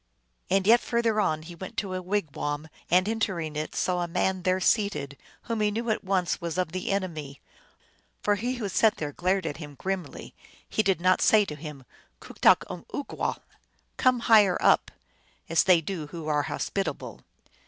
And yet further on he came to a wigwam, and entering it saw a man there seated, whom he knew at once was of the enemy. For he who sat there glared at him grimly ; he did not say to him, " "Kutakumoog wal !"" Come higher up !" as they do who are hospi table.